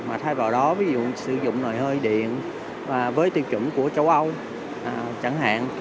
mà thay vào đó ví dụ sử dụng nồi hơi điện với tiêu chuẩn của châu âu chẳng hạn